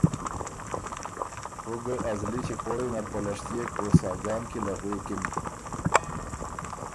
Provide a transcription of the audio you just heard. او ګۀ ا زلی چیخوړئ نر پلشتيېک او ساجان کی له غوېکِن۔